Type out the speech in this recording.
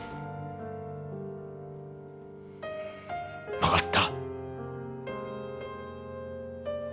分かった。